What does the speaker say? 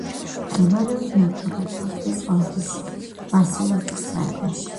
მდებარეობს დნეპროპეტროვსკის ოლქის ვასილკოვკის რაიონში.